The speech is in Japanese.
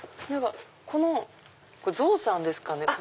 これゾウさんですかね？